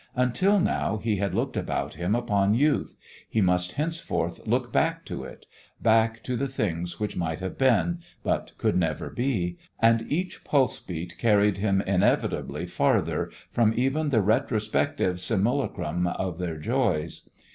Until now he had looked about him upon Youth; he must henceforth look back to it back to the things which might have been, but could never be and each pulse beat carried him inevitably farther from even the retrospective simulacrum of their joys.